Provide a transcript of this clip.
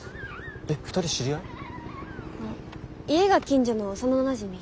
あ家が近所の幼なじみ。